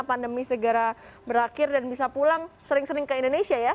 pandemi segera berakhir dan bisa pulang sering sering ke indonesia ya